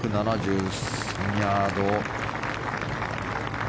１７３ヤード。